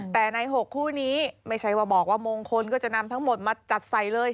แต่ใน๖คู่นี้ไม่ใช่ว่าบอกว่ามงคลก็จะนำทั้งหมดมาจัดใส่เลย